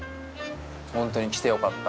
本当に来てよかった。